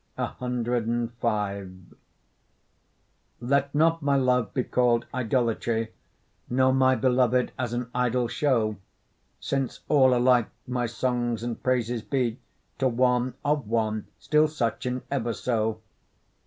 CV Let not my love be call'd idolatry, Nor my beloved as an idol show, Since all alike my songs and praises be To one, of one, still such, and ever so.